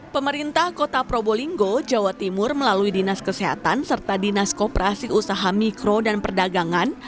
pemerintah kota probolinggo jawa timur melalui dinas kesehatan serta dinas koperasi usaha mikro dan perdagangan